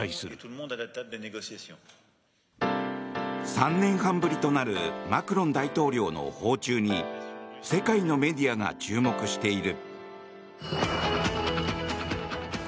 ３年半ぶりとなるマクロン大統領の訪中に世界のメディアが注目している。